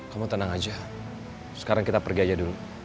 kamu tenang aja sekarang kita pergi aja dulu